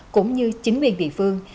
cũng như chính quyền địa phương